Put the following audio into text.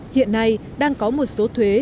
hiện nay đang có một số thuế